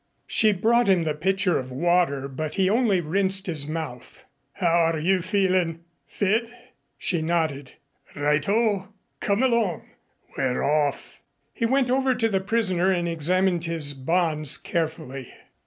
She brought him the pitcher of water but he only rinsed his mouth. "How are you feelin'? Fit?" She nodded. "Right o. Come along. We're off." He went over to the prisoner and examined his bonds carefully.